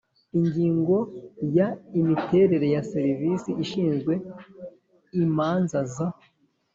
Ingingo ya Imiterere ya Serivisi ishinzwe imanza za